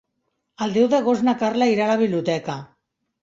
El deu d'agost na Carla irà a la biblioteca.